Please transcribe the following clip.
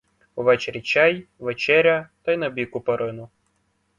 Увечері чай, вечеря, та й набік у перину.